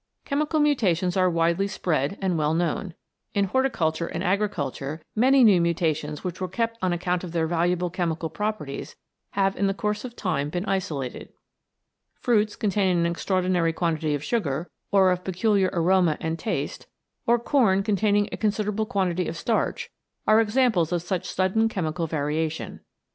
Chemical mutations are widely spread and well known. In horticulture and agriculture many new mutations which were kept on account of their valuable chemical properties have in the course of time been isolated. Fruits, containing an extraordinary 138 CHEMICAL MENDELISM quantity of sugar, or of peculiar aroma and taste, or corn containing a considerable quantity of starch, are examples of such sudden chemical variation.